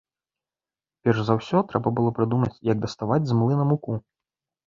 Перш за ўсё трэба было прыдумаць, як даставаць з млына муку.